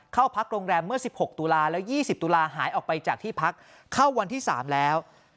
เข้าพักโรงแรมเมื่อ๑๖ตุลาแล้ว๒๐ตุลาหายออกไปจากที่พักเข้าวันที่๓แล้ว